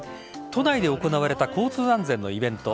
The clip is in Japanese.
都内で行われた交通安全のイベント。